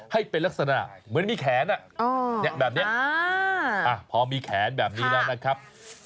ให้เป็นลักษณะเหมือนมีแขนแบบนี้พอมีแขนแบบนี้แล้วนะครับ